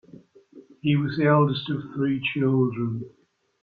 He was the eldest of three children.